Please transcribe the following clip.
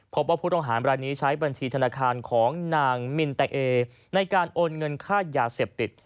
พบว่าผู้ต้องหามรายนี้ใช้บัญชีธนาคารของนางมินแต่เอในการโอนเงินค่ายาเสพติด